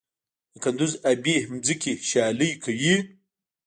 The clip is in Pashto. د کندز ابي ځمکې شالې کوي؟